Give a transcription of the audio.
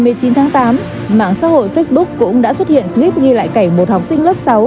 ở một vụ việc khác ngày một mươi chín tháng tám mạng xã hội facebook cũng đã xuất hiện clip ghi lại cảnh một học sinh lớp sáu